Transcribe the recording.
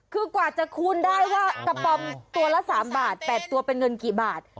คือกว่าจะคูณได้ว่ากระป๋อมตัวละ๓บาท๘ตัวเป็นเงินกี่บาท